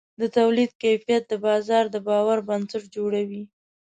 د تولید کیفیت د بازار د باور بنسټ جوړوي.